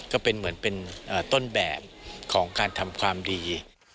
ก็เป็นเหมือนเป็นต้นแบบของการทำความดี